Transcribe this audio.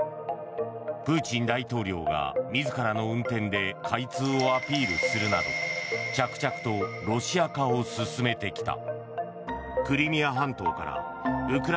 プーチン大統領が、自らの運転で開通をアピールするなど着々とロシア化を進めてきた。